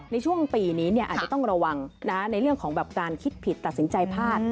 ในช่วงปีนี้อาจจะต้องระวังในเรื่องของแบบการคิดผิดตัดสินใจพลาด